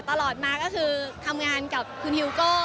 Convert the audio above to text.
ตลอดมาก็คือทำงานกับคุณฮิวโก้